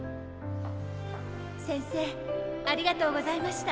せんせいありがとうございました。